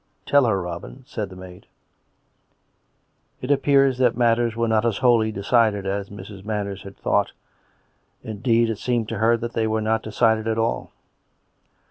" Tell her, Robin," said the maid. It appeared that matters were not yet as wholly decided as Mrs. Manners had thought. Indeed, it seemed to her that they were not decided at all.